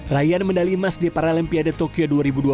raihan medali emas di paralimpiade tokyo dua ribu dua puluh